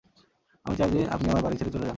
আমি চাই যে আপনি আমার বাড়ি ছেড়ে চলে যান।